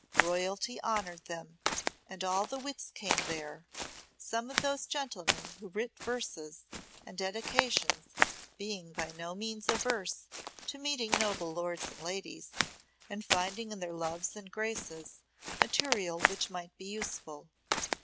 Royalty honoured them, and all the wits came there, some of those gentlemen who writ verses and dedications being by no means averse to meeting noble lords and ladies, and finding in their loves and graces material which might be useful.